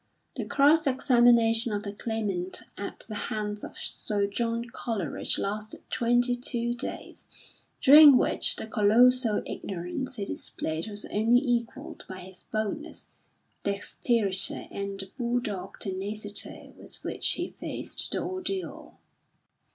The cross examination of the Claimant at the hands of Sir John Coleridge lasted twenty two days, during which the colossal ignorance he displayed was only equalled by his boldness, dexterity and the bull dog tenacity with which he faced the ordeal.